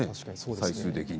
最終的に。